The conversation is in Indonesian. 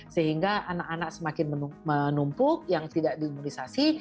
sehingga anak anak semakin menumpuk yang tidak diimunisasi